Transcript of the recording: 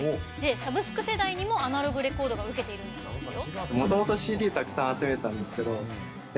サブスク世代にもアナログレコードがウケているんだそうですよ。